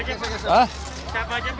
geser aja pak